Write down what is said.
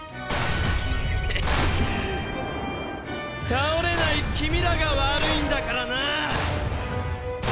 倒れない君らが悪いんだからな。